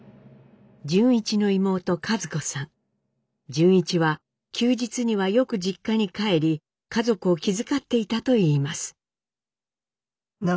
潤一は休日にはよく実家に帰り家族を気遣っていたといいます。